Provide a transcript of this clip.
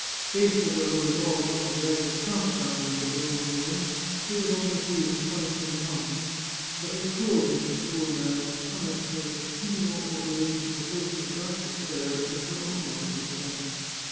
Faithful to her resolve not to drag the count down into her own ruin, she would only see him twice in the month. But her cruelty to the poor man was punished by the continual alternations of hope and dark despair in which her own life was spent.